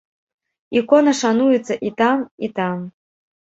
Ікона шануецца і там, і там.